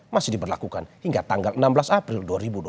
masih diberlakukan hingga tanggal enam belas april dua ribu dua puluh